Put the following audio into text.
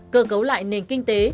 cơ cấu lại nền kinh tế